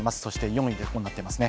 ４位までこうなっています。